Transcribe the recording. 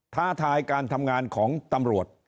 ท้าทายการทำงานของตำรวจ